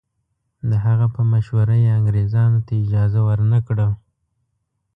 د هغه په مشوره یې انګریزانو ته اجازه ورنه کړه.